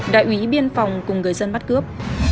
đại úy biên phòng cùng người dân bắt cướp